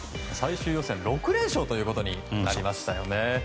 最終予選６連勝ということになりましたよね。